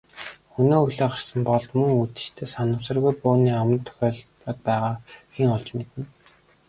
Өнөө өглөө гарсан Болд мөн үдэштээ санамсаргүй бууны аманд тохиолдоод байгааг хэн олж мэднэ.